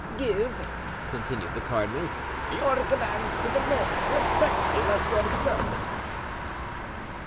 "Give," continued the cardinal, "your commands to the most respectful of your servants."